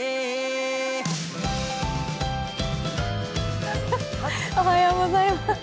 ダイハツおはようございます。